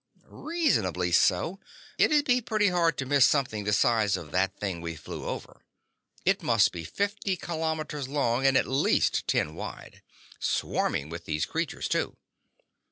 "Reasonably so. It'd be pretty hard to miss something the size of that thing we flew over. It must be fifty kilometers long and at least ten wide. Swarming with these creatures, too.